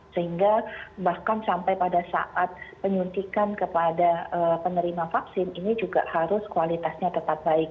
sehingga bahkan sampai pada saat penyuntikan kepada penerima vaksin ini juga harus kualitasnya tetap baik